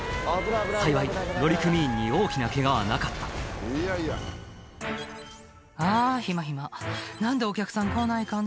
幸い乗組員に大きなケガはなかった「あぁ暇暇」「何でお客さん来ないかね」